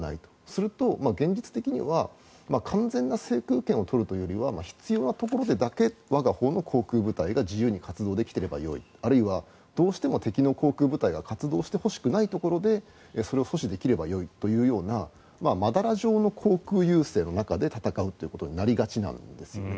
すると現実的には完全な制空権を取るというよりは必要なところでだけ我がほうの航空部隊が自由に活動できていればよいあるいはどうしても敵の航空部隊が活動してほしくないところでそれを阻止できればよいというようなまだら状の航空優勢の中で戦うということになりがちなんですね。